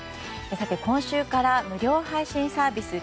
今週から無料配信サービス